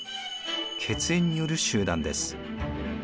血縁による集団です。